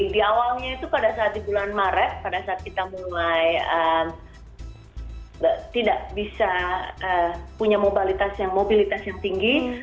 di awalnya itu pada saat di bulan maret pada saat kita mulai tidak bisa punya mobilitas yang tinggi